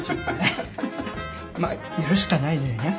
まあやるしかないのよね。